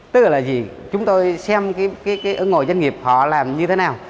tức là gì chúng tôi xem cái ứng ngộ doanh nghiệp họ làm như thế nào